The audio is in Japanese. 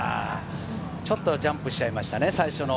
ちょっとジャンプしちゃいましたね。